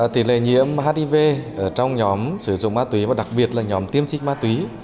tỷ lệ nhiễm hiv trong nhóm sử dụng ma túy và đặc biệt là nhóm tiêm trích ma túy